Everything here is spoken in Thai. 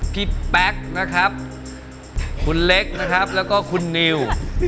แป๊กนะครับคุณเล็กนะครับแล้วก็คุณนิว